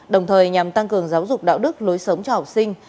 đồng thời nhằm tăng cường giáo dục đạo đức lối sống cho học sinh